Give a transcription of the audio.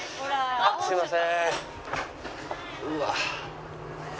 あっすいません。